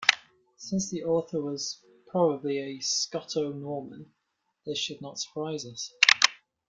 Since the author was probably a Scotto-Norman, this should not surprise us.